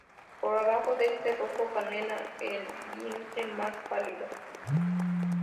Por abajo es rufo canela, el vientre más pálido.